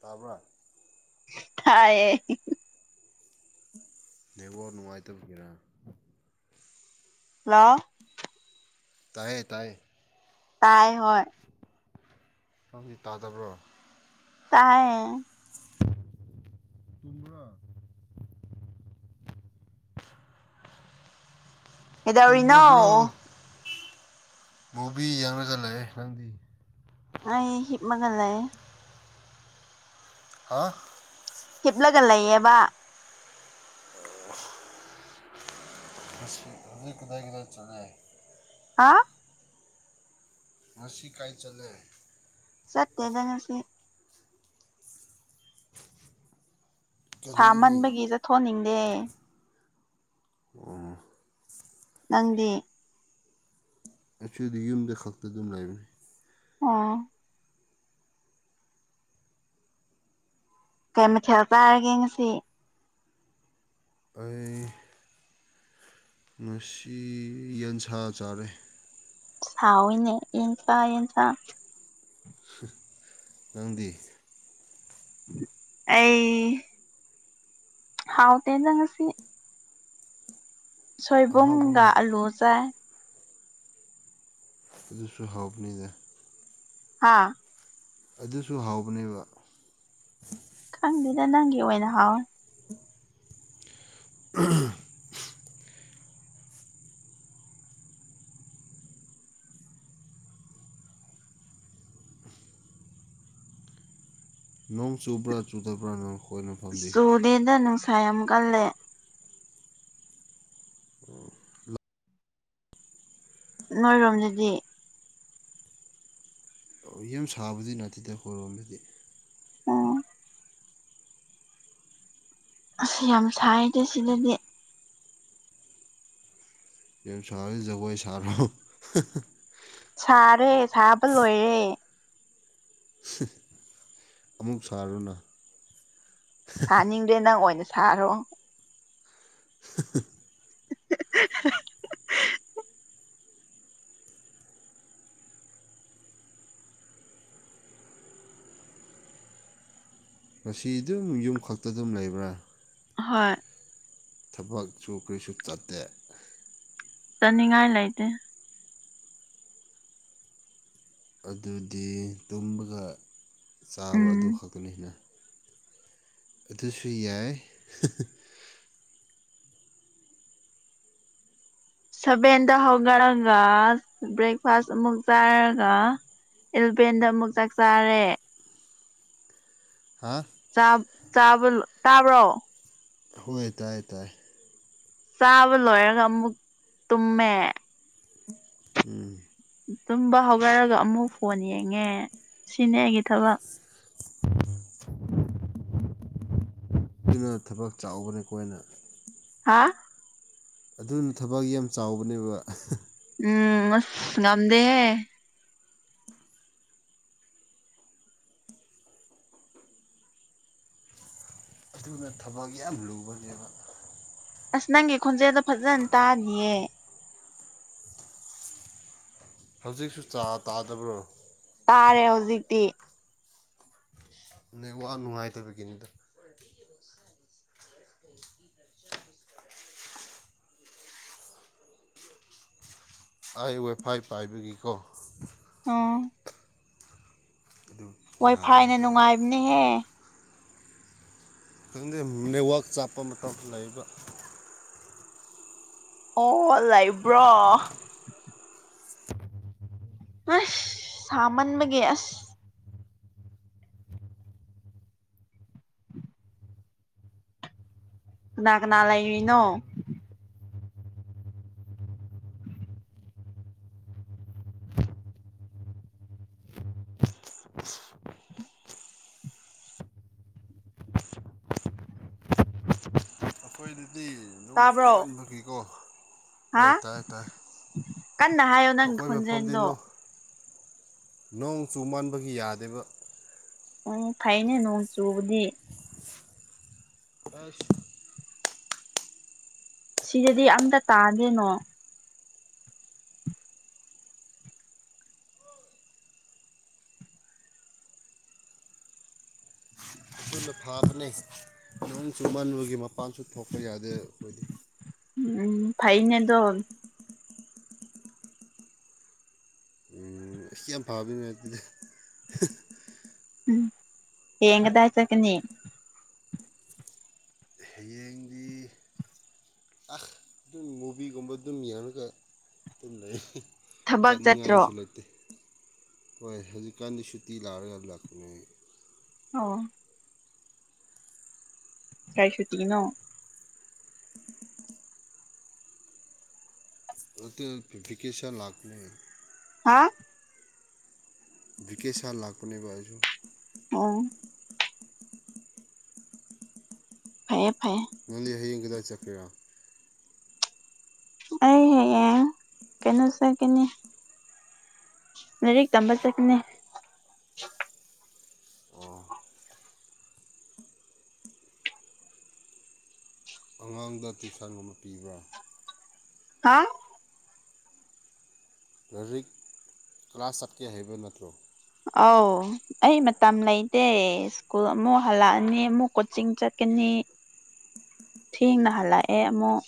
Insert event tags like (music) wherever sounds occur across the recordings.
ꯇꯥꯕ꯭ꯔꯥ ꯊꯥꯌꯦ ꯅꯦꯋꯥꯛ ꯅꯨꯡꯉꯥꯏꯇꯕꯒꯤꯔꯥ ꯍꯜꯂꯣ ꯇꯥꯏꯌꯦ ꯇꯥꯏ ꯇꯥꯏ ꯍꯣꯏ ꯅꯪꯗꯤ ꯇꯥꯗꯕ꯭ꯔꯣ ꯇꯥꯏꯌꯦ ꯇꯨꯝꯕ꯭ꯔꯥ ꯀꯩꯗꯧꯔꯤꯅꯣ ꯇꯨꯝꯔꯕ꯭ꯔꯣ ꯃꯨꯕꯤ ꯌꯦꯡꯂꯒ ꯂꯩꯌꯦ ꯅꯪꯗꯤ ꯑꯩ ꯍꯤꯞꯃꯒ ꯂꯩ ꯍꯥꯥ ꯍꯤꯞꯂꯒ ꯂꯩꯌꯦꯕ ꯉꯁꯤ ꯀꯗꯥꯏ ꯀꯗꯥꯏ ꯀꯗꯥꯏ ꯆꯠꯂꯦ ꯍꯥ ꯉꯁꯤ ꯀꯥꯏ ꯆꯠꯂꯦ ꯆꯠꯇꯦꯗ ꯉꯁꯤ ꯀꯔꯤꯒꯤ ꯁꯥꯃꯟꯕꯒꯤ ꯆꯠꯊꯣꯛꯅꯤꯡꯗꯦ ꯎꯝ ꯅꯪꯗꯤ ꯉꯁꯤꯗꯤ ꯌꯨꯝꯗ ꯈꯛꯇ ꯑꯗꯨꯝ ꯂꯩꯕꯅꯤ ꯑꯣ ꯀꯩ ꯃꯊꯦꯜ ꯆꯥꯔꯒꯦ ꯉꯁꯤ ꯑꯩ ꯉꯁꯤ ꯌꯦꯟꯁꯥ ꯆꯥꯔꯦ ꯍꯥꯎꯏꯅꯦ ꯌꯦꯟꯁꯥ ꯌꯦꯟꯁꯥ ꯅꯪꯗꯤ ꯑꯩ ꯍꯥꯎꯇꯦꯗ ꯉꯁꯤ ꯑꯍꯥꯎꯕ ꯁꯣꯏꯕꯨꯝꯒ ꯉꯥꯛ ꯑꯂꯨ ꯆꯥꯏ ꯑꯗꯨꯁꯨ ꯍꯥꯎꯕꯅꯤꯗ ꯍꯥꯥ ꯑꯗꯨꯁꯨ ꯍꯥꯎꯕꯅꯦꯕ ꯈꯪꯗꯦꯗ ꯅꯪꯒꯤ ꯑꯣꯏꯅ ꯍꯥꯎꯋꯦ ꯅꯣꯡ ꯆꯨꯕ꯭ꯔꯥ ꯆꯨꯗꯕ꯭ꯔꯥ ꯅꫭꯡ ꯆꯨꯗꯦꯗ ꯅꯨꯡꯁꯥ ꯌꯥꯝ ꯀꯜꯂꯦ ꯎꯝ ꯂ ꯅꯣꯏꯔꯣꯝꯗꯗꯤ ꯑꯣ ꯌꯥꯝ ꯁꯥꯕꯗꯤ ꯅꯠꯇꯦꯗ ꯑꯈꯣꯏꯔꯣꯝꯗꯗꯤ ꯑꯣ ꯑꯁ ꯌꯥꯝ ꯁꯥꯏꯗ ꯁꯤꯗꯗꯤ ꯌꯥꯝ ꯁꯥꯔꯗꯤ ꯖꯒꯣꯏ ꯁꯥꯔꯣ ꯁꯥꯔꯦ ꯁꯥꯕ ꯂꯣꯏꯔꯦ ꯑꯃꯨꯛ ꯁꯥꯔꯣꯅ ꯁꯥꯅꯤꯡꯗꯦ ꯅꯪ ꯑꯣꯏꯅ ꯁꯥꯔꯣ (unintelligible) ꯉꯁꯤ ꯑꯗꯨꯝ ꯌꯨꯝ ꯈꯛꯇ ꯑꯗꯨꯝ ꯂꯩꯕ꯭ꯔꯥ ꯑꯍꯣꯏ ꯊꯕꯛꯁꯨ ꯀꯔꯤꯁꯨ ꯆꯠꯇꯦ ꯆꯠꯅꯤꯡꯉꯥꯏ ꯂꯩꯇꯦ ꯑꯗꯨꯗꯤ ꯇꯨꯝꯕꯒ ꯆꯥꯕꯒ ꯑꯗꯨ ꯎꯝ ꯈꯛꯇꯅꯤꯅꯦ ꯑꯗꯨꯁꯨ ꯌꯥꯏ ꯁꯚꯦꯟꯗ ꯍꯧꯒꯠꯂꯒ ꯕ꯭ꯔꯦꯛꯐꯥꯁ ꯑꯃꯨꯛ ꯆꯥꯔꯒ ꯑꯦꯜꯂꯚꯦꯟꯗ ꯑꯃꯨꯛ ꯆꯥꯛ ꯆꯥꯔꯦ ꯍꯥꯥ (inaudible) ꯇꯥꯕ꯭ꯔꯣ ꯍꯣꯏ ꯇꯥꯏ ꯇꯥꯏ ꯆꯥꯕ ꯂꯣꯏꯔꯒ ꯑꯃꯨꯛ ꯇꯨꯝꯃꯦ ꯎꯝ ꯇꯨꯝꯕ ꯍꯧꯒꯠꯔꯒ ꯑꯃꯨꯛ ꯐꯣꯟ ꯌꯦꯡꯉꯦ ꯁꯤꯅꯦ ꯑꯩꯒꯤ ꯊꯕꯛ ꯑꯗꯨꯅ ꯊꯕꯛ ꯆꯥꯎꯕꯅꯤ ꯑꯩꯈꯣꯏꯅ ꯍꯥꯥ ꯑꯗꯨꯅ ꯊꯕꯛ ꯌꯥꯝ ꯆꯥꯎꯕꯅꯦꯕ ꯎꯝ ꯑꯁ ꯉꯝꯗꯦꯍꯦ ꯑꯗꯨꯅ ꯊꯕꯛ ꯌꯥꯝ ꯂꯨꯕꯅꯦꯕ ꯑꯁ ꯅꯪꯒꯤ ꯈꯣꯟꯖꯦꯜꯗꯣ ꯐꯖꯅ ꯇꯥꯗꯤꯌꯦ ꯍꯧꯖꯤꯛꯁꯨ ꯆꯥ ꯇꯥꯗꯕ꯭ꯔꯣ ꯇꯥꯔꯦ ꯍꯧꯖꯤꯛꯇꯤ ꯅꯦꯛꯋꯥꯛ ꯅꯨꯡꯉꯥꯏꯇꯕꯒꯤꯅꯤꯗ ꯑꯩ ꯋꯥꯏꯐꯥꯏ ꯄꯥꯏꯕꯒꯤꯀꯣ ꯑꫭ ꯑꯗꯨ ꯋꯥꯏ ꯐꯥꯏꯅ ꯌꯥꯗꯕ ꯅꯨꯡꯉꯥꯏꯕꯅꯦꯍꯦ ꯈꯪꯗꯦ ꯅꯦꯠꯋꯥꯛ ꯆꯞꯄ ꯃꯇꯝ ꯂꯩꯕ ꯑꯣ ꯂꯩꯕ꯭ꯔꯣ ꯑꯁ ꯁꯥꯃꯟꯕꯒꯤ ꯑꯁ ꯀꯅꯥ ꯀꯅꯥ ꯂꯩꯔꯤꯅꯣ ꯑꯩꯈꯣꯏꯗꯗꯤ ꯑꯗꯨꯝ ꯇꯥꯕ꯭ꯔꯣ ꯀꯨꯡꯃꯟꯕꯒꯤꯀꯣ ꯍꯥ ꯍꯣꯏ ꯇꯥꯏ ꯇꯥꯏ ꯀꯟꯅ ꯍꯥꯏꯌꯣ ꯅꯪꯒꯤ ꯑꯩꯈꯣꯏ ꯃꯐꯝꯗꯤ ꯈꯣꯟꯖꯦꯜꯗꯣ ꯅꯣ ꯅꯣꯡ ꯆꯨꯃꯟꯕꯒꯤ ꯌꯥꯗꯦꯕ ꯎꯝ ꯐꯩꯅꯦ ꯅꯣꯡ ꯆꯨꯕꯗꯤ ꯑꯁ ꯁꯤꯗꯗꯤ ꯑꯝꯇ ꯇꯥꯗꯦ ꯅꯣ ꯑꯗꯨꯅ ꯐꯥꯕꯅꯦ ꯅꯣꯡ ꯆꯨꯃꯟꯕꯒꯤ ꯃꯄꯥꯟꯁꯨ ꯊꯣꯛꯄ ꯌꯥꯗꯦ ꯑꯩꯈꯣꯏꯗꯤ ꯎꯝ ꯐꯩꯅꯦꯗꯣ ꯎꯝ ꯏꯁ ꯌꯥꯝ ꯐꯕꯅꯤꯅꯦ ꯑꯗꯨꯗꯤ ꯎꯝ ꯍꯌꯦꯡ ꯀꯗꯥꯏ ꯆꯠꯀꯅꯤ ꯍꯌꯦꯡꯗꯤ ꯑ ꯑꯗꯨꯝ ꯃꯨꯚꯤꯒꯨꯝꯕ ꯑꯗꯨꯝ ꯌꯦꯡꯂꯒ ꯑꯗꯨꯝ ꯂꯩ ꯊꯕꯛ ꯆꯠꯇ꯭ꯔꯣ ꯆꯠꯅꯤꯉꯥꯏꯁꯨ ꯂꯩꯇꯦ ꯍꯣꯏ ꯍꯧꯖꯤꯛꯀꯥꯟꯗꯤ ꯁꯨꯇꯤ ꯂꯥꯛꯔꯒ ꯂꯥꯛꯄꯅꯦ ꯑꯣ ꯀꯩ ꯁꯨꯇꯤꯅꯣ ꯅꯠꯇꯦ ꯅꯠꯇꯦ ꯕꯤꯀꯦꯁꯟ ꯂꯥꯛꯄꯅꯦ ꯍꯥ ꯚꯤꯀꯦꯁꯟ ꯂꯥꯛꯄꯅꯦꯕ ꯑꯩꯖꯨ ꯑꯣ ꯐꯩꯌꯦ ꯐꯩ ꯅꯪꯗꯤ ꯍꯌꯦꯡ ꯀꯗꯥꯏ ꯆꯠꯀꯦꯔꯥ ꯑꯩ ꯍꯌꯦꯡ ꯀꯩꯅꯣ ꯆꯠꯀꯅꯤ ꯂꯥꯏꯔꯤꯛ ꯇꯝꯕ ꯆꯠꯀꯅꯤ ꯑꯣ ꯑꯉꯥꯡꯗ ꯇꯨꯏꯁꯟꯒꯨꯝꯕ ꯄꯤꯕ꯭ꯔꯥ ꯍꯥ ꯂꯥꯏꯔꯤꯛ ꯀ꯭ꯂꯥꯁ ꯆꯠꯀꯦ ꯍꯥꯏꯕ ꯅꯠꯇ꯭ꯔꯣ ꯑꯧ ꯑꯩ ꯃꯇꯝ ꯂꯩꯇꯦ ꯁ꯭ꯀꯨꯜ ꯑꯃꯨꯛ ꯍꯜꯂꯛꯑꯅꯤ ꯑꯃꯨꯛ ꯀꯣꯆꯤꯡ ꯆꯠꯀꯅꯤ (inaudible) ꯊꯦꯡꯅ ꯍꯜꯂꯛꯑꯦ ꯑꯃꯨꯛ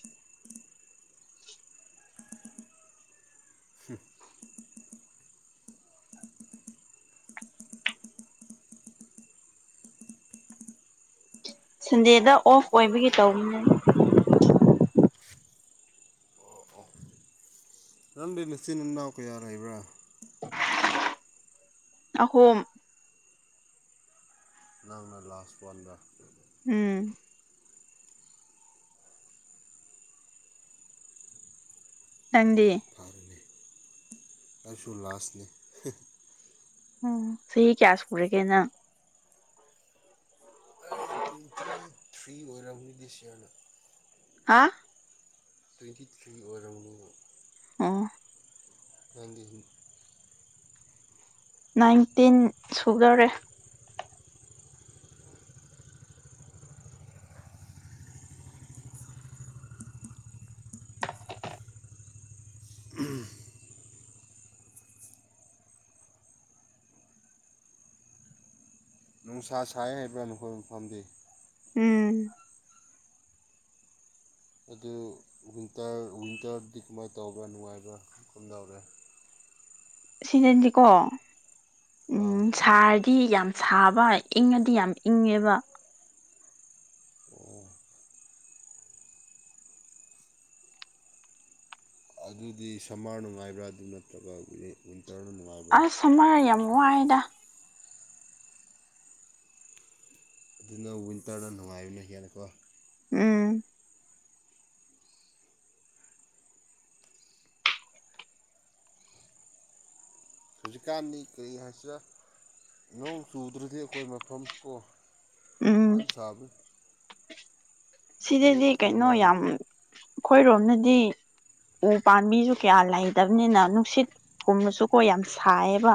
(unintelligible) ꯁꯟꯗꯦꯗ ꯑꯣꯐ ꯑꯣꯏꯕꯒꯤ ꯇꯧꯕꯅꯤ ꯅꯪꯗꯤ ꯅꯆꯤꯟ ꯏꯅꯥꯎ ꯀꯌꯥ ꯂꯩꯕ꯭ꯔꯥ ꯑꯍꯨꯝ ꯅꯪꯅ ꯂꯥꯁ ꯋꯥꯟꯗ ꯎꯝ ꯅꯪꯗꯤ ꯐꯔꯦꯅꯦ ꯑꯩꯁꯨ ꯂꯥꯁꯅꯦ ꯎꯝ ꯆꯍꯤ ꯀꯌꯥ ꯁꯨꯔꯒꯦ ꯅꯪ ꯑꯩ ꯇ꯭ꯋꯦꯟꯇꯤ ꯊ꯭ꯔꯤ ꯑꯣꯏꯔꯝꯕꯅꯤ ꯗꯤꯁ ꯏꯌꯥꯔꯗ ꯍꯥ ꯇ꯭ꯋꯦꯟꯇꯤ ꯊ꯭ꯔꯤ ꯑꯣꯏꯔꯝꯒꯅꯤꯕ ꯑꯣ ꯅꯪꯗꯤ ꯅꯥꯏꯟꯇꯤꯟ ꯁꯨꯗꯧꯔꯦ (inaudible) ꯅꯨꯡꯁꯥ ꯁꯥꯏ ꯍꯥꯏꯕ꯭ꯔꯥ ꯅꯈꯣꯏꯕ ꯃꯐꯝꯗꯤ ꯎꯝ ꯑꯗꯨ ꯋꯤꯟꯇꯔ ꯋꯤꯟꯇꯔꯗꯤ ꯀꯃꯥꯏꯅ ꯇꯧꯕ꯭ꯔꯥ ꯅꯨꯡꯉꯥꯏꯕ ꯀꯝꯗꯧꯔꯦ ꯁꯤꯖꯟꯁꯤꯀꯣ ꯑꯥ ꯁꯥꯔꯗꯤ ꯌꯥꯝ ꯁꯥꯕ ꯏꯪꯉꯗꯤ ꯌꯥꯝ ꯏꯪꯉꯦꯕ ꯑꯣ ꯑꯗꯨꯗꯤ ꯁꯝꯃꯔ ꯅꯨꯡꯉꯥꯏꯕ꯭ꯔꯥ ꯑꯗꯨ ꯅꯠꯇ꯭ꯔꯒ ꯋꯤꯟꯇꯔꯅ ꯅꯨꯡ ꯑꯁ ꯁꯥꯃꯔ ꯌꯥꯝ ꯋꯥꯏꯌꯦꯗ ꯑꯗꯨꯅ ꯋꯤꯟꯇꯔꯗ ꯅꯨꯡꯉꯥꯏꯕꯅ ꯌꯥꯔꯦꯀꯣ ꯎꯝ ꯍꯧꯖꯤꯛꯀꯥꯟꯗꯤ ꯀꯔꯤ ꯍꯥꯏꯁꯤꯔ ꯅꯣꯡ ꯆꯨꯗ꯭ꯔꯥꯗꯤ ꯑꯩꯈꯣꯏ ꯃꯐꯝ ꯀꯣ ꯎꯝ ꯀꯦꯝꯁꯕꯅꯦ ꯁꯤꯗꯗꯤ ꯀꯩꯅꯣ ꯑꯩꯈꯣꯏꯅ ꯌꯥꯝ ꯑꯩꯈꯣꯏꯔꯣꯝꯗꯗꯤ ꯎ ꯄꯥꯝꯕꯤꯁꯨ ꯀꯌꯥ ꯂꯩꯇꯕꯅꯤꯅ ꯅꯨꯡꯁꯤꯠꯀꯨꯝꯕꯁꯨꯀꯣ ꯌꯥꯝ ꯁꯥꯏꯌꯦꯕ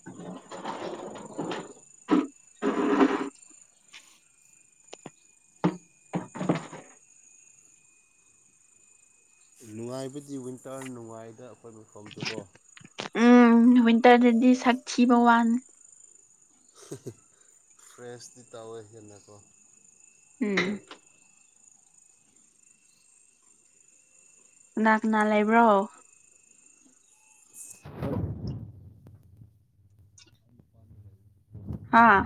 (inaudible) ꯅꯨꯡꯉꯥꯏꯕꯗꯤ ꯋꯤꯟꯇꯔ ꯅꯨꯡꯉꯥꯏꯗ ꯑꯩꯈꯣꯏ ꯃꯐꯝꯁꯨꯀꯣ ꯎꯝ ꯋꯤꯟꯇꯔꯗꯗꯤ ꯁꯛ ꯊꯤꯕ ꯋꯥꯅꯤ ꯐ꯭ꯔꯦꯁꯇꯤ ꯇꯧꯋꯦ ꯍꯦꯟꯅꯀꯣ ꯎꯝ ꯀꯅꯥ ꯀꯅꯥ ꯂꯩꯕ꯭ꯔꯣ ꯍꯥꯥ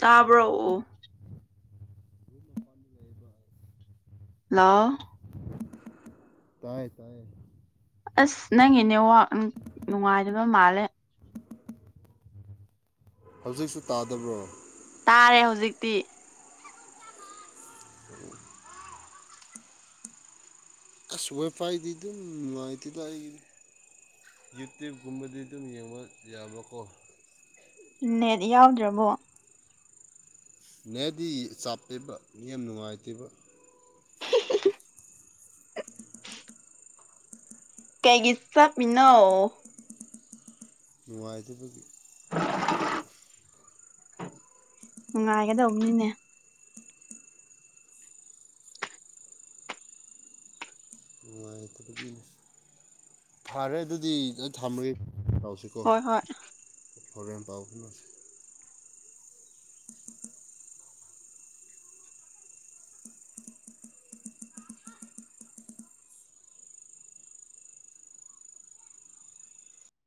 ꯇꯥꯕ꯭ꯔꯣꯑꯣ ꯍꯜꯂꯣ ꯇꯥꯏꯌꯦ ꯇꯥꯏꯌꯦ ꯑꯁ ꯅꯪꯒꯤ ꯅꯦꯋꯥꯛ ꯅꯨꯡꯉꯥꯏꯗꯕ ꯃꯥꯜꯂꯦ ꯍꯧꯖꯤꯛꯁꯨ ꯇꯥꯗꯕ꯭ꯔꯣ ꯇꯥꯔꯦ ꯍꯧꯖꯤꯛꯇꯤ (unintelligible) ꯑꯁ ꯋꯥꯏꯄꯥꯏꯗꯤ ꯑꯗꯨꯝ ꯂꯣꯏꯗꯦꯗ ꯑꯩꯒꯝꯗꯤ ꯌꯨꯇ꯭ꯌꯨꯕꯒꯨꯝꯕꯗꯤ ꯑꯗꯨꯝ ꯌꯦꯡꯕ ꯌꯥꯕ ꯀꯣ ꯅꯦꯠ ꯌꯥꯎꯗ꯭ꯔꯥꯕꯨ ꯅꯦꯗꯤ ꯆꯥꯞꯇꯦꯕ ꯃꯤ ꯌꯥꯝ ꯅꯨꯡꯉꯥꯏꯇꯦꯕ (inaudible) ꯀꯩꯒꯤ ꯆꯠꯃꯤꯅꯣ ꯅꯨꯡꯉꯥꯏꯇꯕꯒꯤ ꯅꯨꯡꯉꯥꯏꯒꯗꯧꯕꯅꯤꯅꯦ ꯅꯨꯡꯉꯥꯏꯇꯕꯒꯤꯅꯤ ꯐꯥꯔꯦ ꯑꯗꯨꯗꯤ ꯊꯝꯃꯒꯦ (unintelligible) ꯍꯣꯏ ꯍꯣꯏ ꯍꯣꯔꯦꯟ ꯄꯥꯎ ꯐꯥꯎꯅꯁꯤ